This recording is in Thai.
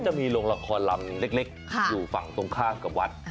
จะมีโรงละครลำเล็กอยู่ฝั่งตรงข้ามกับวัด